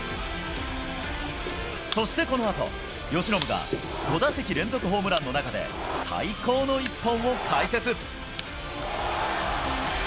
そしてこのあと、由伸が５打席連続ホームランの中で、最高の一本を解説。